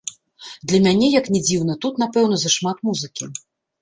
Для мяне, як ні дзіўна, тут, напэўна, зашмат музыкі.